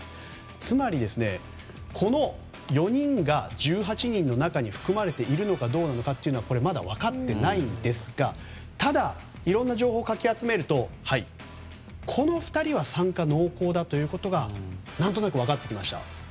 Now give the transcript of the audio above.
つまり、この４人が１８人の中に含まれているのかどうなのかはまだ分かってないんですがただ、いろんな情報をかき集めるとこの２人は参加濃厚だということが何となく分かってきました。